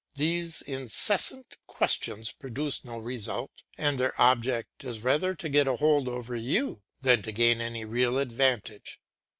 These incessant questions produce no result, and their object is rather to get a hold over you than to gain any real advantage.